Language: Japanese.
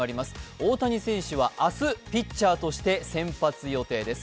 大谷選手は明日、ピッチャーとて先発予定です。